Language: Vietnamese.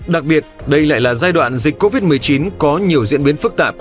đặc biệt đây lại là giai đoạn dịch covid một mươi chín có nhiều diễn biến phức tạp